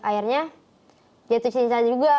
akhirnya jatuh cinta juga